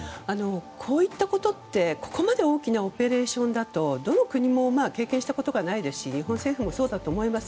こういったことってここまで大きなオペレーションだとどの国も経験したことがないですし日本政府もそうだと思います。